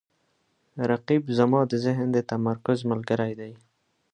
رقیب زما د ذهن د تمرکز ملګری دی